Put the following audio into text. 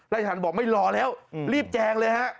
ราชธรรมบอกไม่หล่อแล้วรีบแจงเลยฮะ